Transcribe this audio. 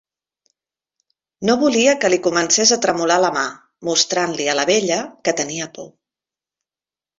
No volia que li comences a tremolar la mà, mostrant-li a la vella que tenia por.